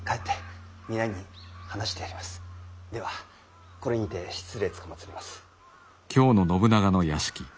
ではこれにて失礼つかまつります。